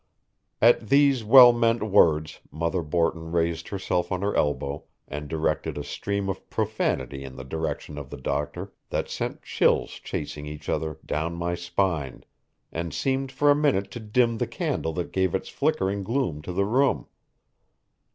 At these well meant words Mother Borton raised herself on her elbow, and directed a stream of profanity in the direction of the doctor that sent chills chasing each other down my spine, and seemed for a minute to dim the candle that gave its flickering gloom to the room.